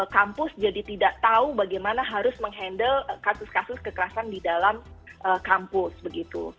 kampus jadi tidak tahu bagaimana harus menghandle kasus kasus kekerasan di dalam kampus begitu